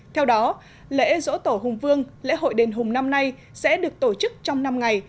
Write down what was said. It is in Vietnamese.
theo đó lễ dỗ tổ hùng vương lễ hội đền hùng năm nay sẽ được tổ chức trong năm ngày